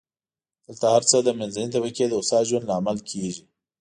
دغه هر څه د منځنۍ طبقې د هوسا ژوند لامل کېږي.